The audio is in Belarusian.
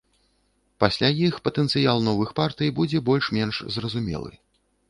Пасля іх патэнцыял новых партый будзе больш-менш зразумелы.